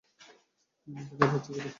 মুখ দেখা যাচ্ছে কোথায়?